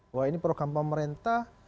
bahwa ini program pemerintah